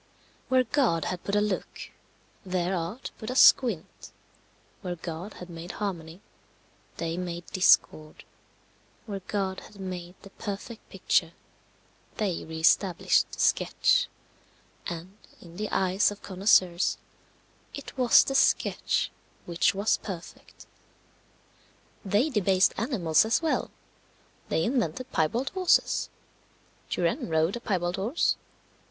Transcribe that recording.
Where God had put a look, their art put a squint; where God had made harmony, they made discord; where God had made the perfect picture, they re established the sketch; and, in the eyes of connoisseurs, it was the sketch which was perfect. They debased animals as well; they invented piebald horses. Turenne rode a piebald horse.